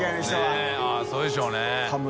佑そうでしょうね。